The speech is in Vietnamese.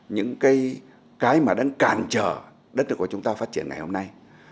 những cái mà đang cản trở đất nước của chúng ta phát triển ngày hôm nay